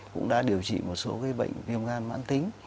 cũng đã điều trị một số bệnh viêm gan mãn tính